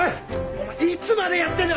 お前いつまでやってんだ！